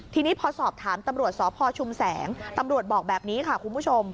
ทีนี้พอสอบถามตำรวจสพชุมแสงตำรวจบอกแบบนี้ค่ะคุณผู้ชม